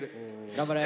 頑張れ。